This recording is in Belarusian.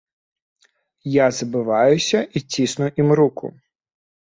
Я забываюся і цісну ім руку.